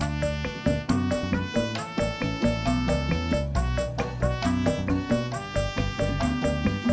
aku mau bilik ulang deh